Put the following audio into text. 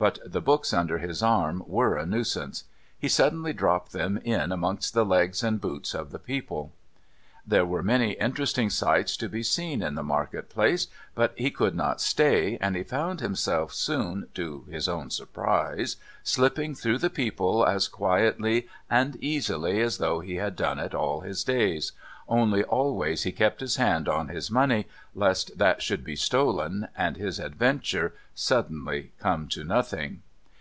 But the books under his arm were a nuisance. He suddenly dropped them in amongst the legs and boots of the people. There were many interesting sights to be seen in the market place, but he could not stay, and he found himself soon, to his own surprise, slipping through the people as quietly and easily as though he had done it all his days, only always he kept his hand on his money lest that should be stolen and his adventure suddenly come to nothing.